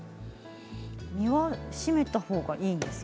身は締めたほうがいいんですか？